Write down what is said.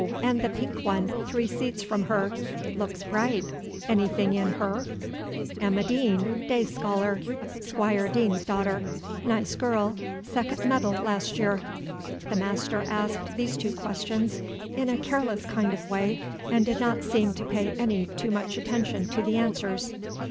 And the pink one, three seats from her? Looks bright; anything in her?" "Emma Dean, day scholar, Squire Dean's daughter, nice girl, second medal last year." The master asked these two questions in a careless kind of way, and did not seem to pay any too much attention to the answers.